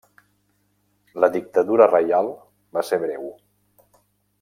La dictadura reial va ser breu.